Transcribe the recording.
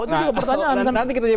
itu juga pertanyaan kan